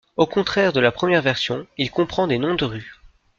Au contraire de la première version, il comprend des noms de rues.